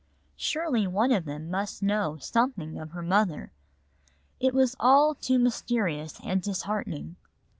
Surely one of them must know something of her mother. It was all too mysterious and disheartening.